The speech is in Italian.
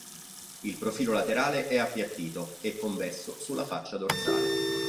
Il profilo laterale è appiattito e convesso sulla faccia dorsale.